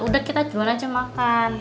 udah kita jual aja makan